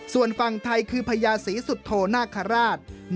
ส่วนฝั่งไทยคือพญาศรีสุโธนาคาราช